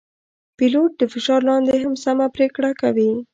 پیلوټ د فشار لاندې هم سمه پرېکړه کوي.